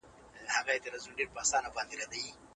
خپل ځان وپیژنه.